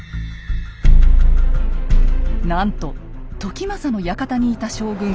なんと時政の館にいた将軍